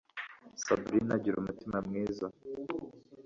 sabrina agira umutima mwiza